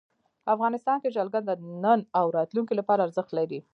افغانستان کې جلګه د نن او راتلونکي لپاره ارزښت لري.